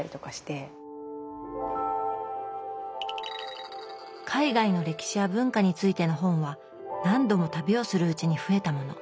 海外の歴史や文化についての本は何度も旅をするうちに増えたもの